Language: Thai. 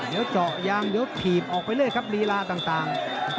เดี๋ยวเจาะยางเดี๋ยวถีบออกไปเรื่อยครับลีลาต่าง